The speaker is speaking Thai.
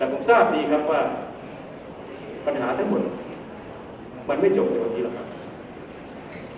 แต่ผมทราบดีครับว่าปัญหาทั้งหมดมันไม่จบในวันนี้หรอกครับ